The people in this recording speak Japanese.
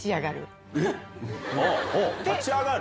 ほう立ち上がる？